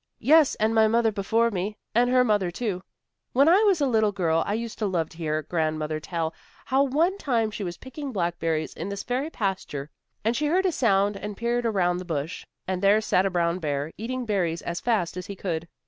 "Yes, and my mother before me, and her mother, too. When I was a little girl I used to love to hear grandmother tell how one time she was picking blackberries in this very pasture, and she heard a sound and peered around the bush. And there sat a brown bear, eating berries as fast as he could."